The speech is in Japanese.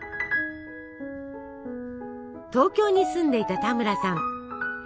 東京に住んでいた田村さん。